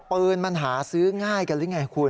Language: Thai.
ปืนมันหาซื้อง่ายกันหรือไงคุณ